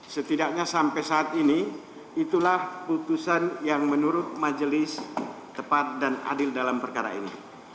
setidaknya sampai saat ini itulah putusan yang menurut majelis tepat dan adil dalam perkara ini